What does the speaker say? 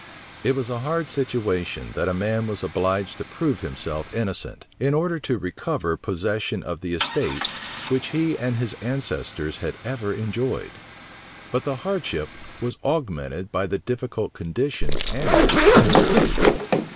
It was a hard situation that a man was obliged to prove himself innocent, in order to recover possession of the estate which he and his ancestors had ever enjoyed: but the hardship was augmented by the difficult conditions annexed to this proof.